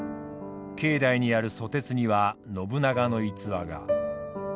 境内にある蘇鉄には信長の逸話が。